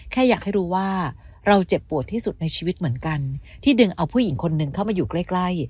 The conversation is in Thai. แค่อยากให้รู้ว่าเราเจ็บปวดที่สุดในชีวิตเหมือนกันที่ดึงเอาผู้หญิงคนหนึ่งเข้ามาอยู่ใกล้